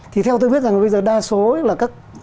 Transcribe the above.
thì theo tôi biết rằng bây giờ đa số là các